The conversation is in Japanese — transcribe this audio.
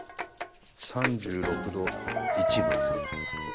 ３６度１分。